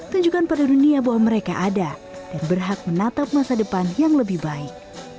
tunjukkan pada dunia bahwa mereka ada dan berhak menatap masa depan yang lebih baik